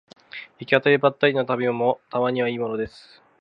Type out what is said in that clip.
行き当たりばったりの旅もたまにはいいものです